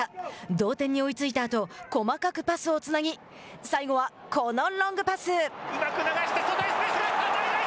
同点に追いついたあと細かくパスをつなぎ最後はこのロングパス。